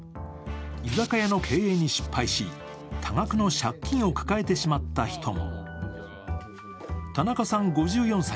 居酒屋の経営に失敗し、多額の借金を抱えてしまった人も。